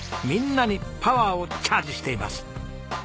みんなにパワーをチャージしています。